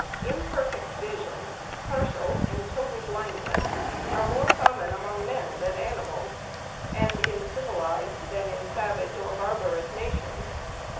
Imperfect vision, partial av.d total blindness, are more common APPENDIX. 569 among men than animals, and in civilized than in savage or barbarous nations.